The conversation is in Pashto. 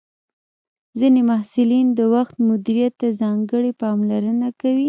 ځینې محصلین د وخت مدیریت ته ځانګړې پاملرنه کوي.